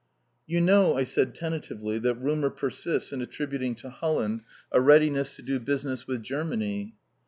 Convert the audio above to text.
"You know," I said tentatively, "that rumour persists in attributing to Holland a readiness to do business with Germany?"